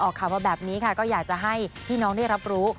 ข่าวมาแบบนี้ค่ะก็อยากจะให้พี่น้องได้รับรู้